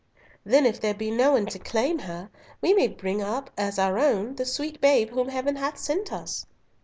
"Then if there be no one to claim her, we may bring up as our own the sweet babe whom Heaven hath sent us."